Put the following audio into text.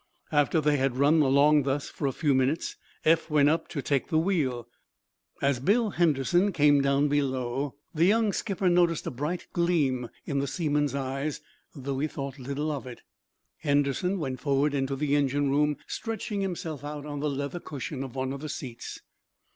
After they had run along thus, for a few minutes, Eph went up to take the wheel. As Bill Henderson came down below the young skipper noticed a bright gleam in the seaman's eyes, though he thought little of it. Henderson went forward into the engine room, stretching himself out on the leather cushion of one of the seats.